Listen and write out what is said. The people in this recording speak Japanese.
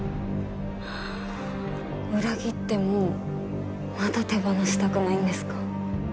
裏切ってもまだ手放したくないんですか？